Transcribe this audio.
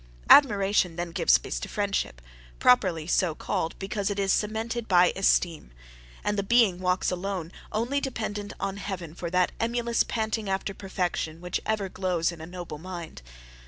Admiration then gives place to friendship, properly so called, because it is cemented by esteem; and the being walks alone only dependent on heaven for that emulous panting after perfection which ever glows in a noble mind.